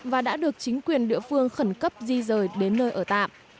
và đã được chính quyền địa phương khẩn cấp di rời đến nơi ở tạm